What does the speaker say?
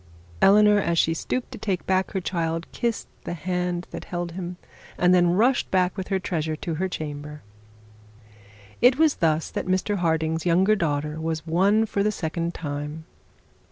Eleanor, as she stooped to take back her child, kissed the hand that held him, and then rushed back with her treasure to her chamber. It was then that Mr Harding's younger daughter was won for the second time.